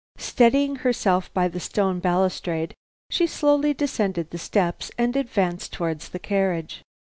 Steadying herself by the stone balustrade, she slowly descended the steps and advanced towards the carriage.